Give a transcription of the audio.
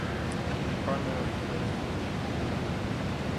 He primarily plays fullback and wing.